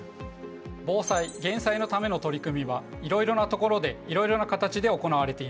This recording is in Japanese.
防災・減災のための取り組みはいろいろな所でいろいろな形で行われています。